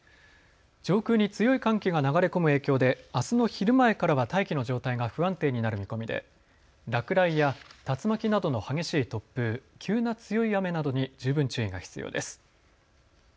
上空に強い寒気が流れ込む影響であすの昼前からは大気の状態が不安定になる見込みで落雷や竜巻などの激しい突風、急な強い雨などに十分注意が必要です。